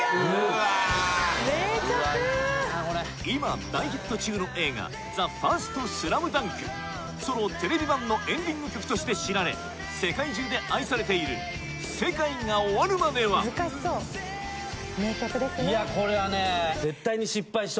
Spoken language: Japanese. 今大ヒット中の映画『ＴＨＥＦＩＲＳＴＳＬＡＭＤＵＮＫ』そのテレビ版のエンディング曲として知られ世界中で愛されている名曲ですね。